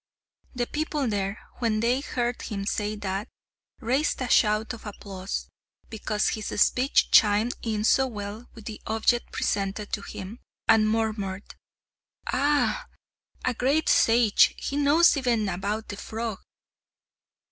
The people there, when they heard him say that, raised a shout of applause, because his speech chimed in so well with the object presented to him, and murmured, "Ah! a great sage, he knows even about the frog!"